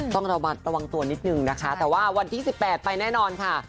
ต้องระมัดระวังตัวนิดนึงนะคะแต่ว่าวันที่๑๘ไปแน่นอนค่ะ